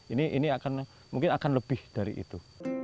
ini akan mungkin akan lebih dari itu